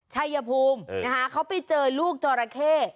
ชัยภูมินะคะเขาไปเจอลูกจอราเข้